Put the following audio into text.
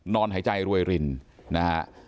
นอนหายใจรวยรินนะฮะ